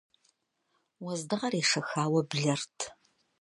Уэздыгъэр ешэхауэ блэрт.